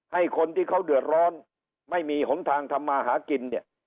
ให้คนที่เขาเดือดร้อนไม่มีหนทางทำมาหากินเนี่ย